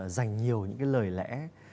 dành nhiều những cái lời lẽ